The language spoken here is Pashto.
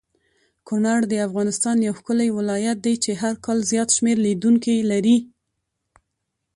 کونړ دافغانستان یو ښکلی ولایت دی چی هرکال زیات شمیر لیدونکې لری